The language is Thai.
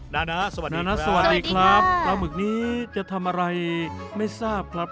นะสวัสดีนะสวัสดีครับปลาหมึกนี้จะทำอะไรไม่ทราบครับ